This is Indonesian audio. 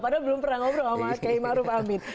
padahal belum pernah ngobrol sama k h ma'ruf amin